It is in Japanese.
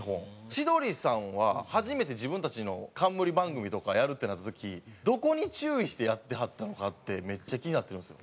千鳥さんは初めて自分たちの冠番組とかやるってなった時どこに注意してやってはったのかってめっちゃ気になってるんですよ。